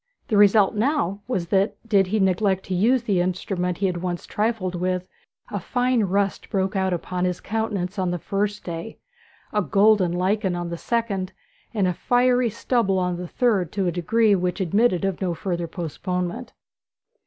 The result now was that, did he neglect to use the instrument he once had trifled with, a fine rust broke out upon his countenance on the first day, a golden lichen on the second, and a fiery stubble on the third to a degree which admitted of no further postponement.